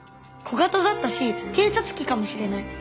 小型だったし偵察機かもしれない。